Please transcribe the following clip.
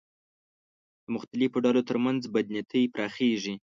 د مختلفو ډلو تر منځ بدنیتۍ پراخېږي